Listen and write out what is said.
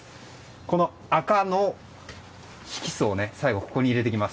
この赤の色素を最後ここに入れていきます。